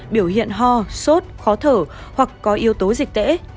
biểu hiện ho sốt khó thở hoặc có yếu tố dịch tễ